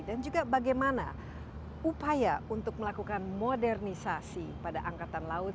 dan juga bagaimana upaya untuk melakukan modernisasi pada angkatan laut